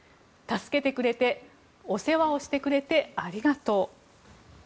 助けてくれてお世話をしてくれてありがとう。